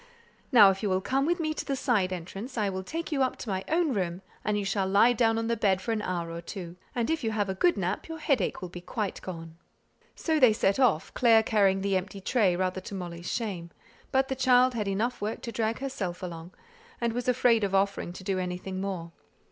Now, if you will come with me to the side entrance, I will take you up to my own room, and you shall lie down on the bed for an hour or two; and if you have a good nap your headache will be quite gone." So they set off, Clare carrying the empty tray, rather to Molly's shame; but the child had enough work to drag herself along, and was afraid of offering to do anything more.